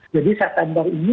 jadi september ini